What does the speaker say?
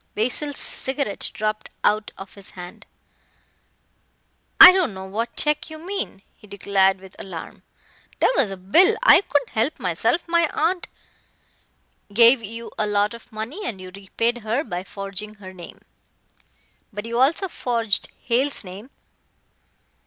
Basil's cigarette dropped our of his hand. "I don't know what check you mean," he declared with alarm, "there was a bill I couldn't help myself. My aunt " "Gave you a lot of money and you repaid her by forging her name. But you also forged Hale's name."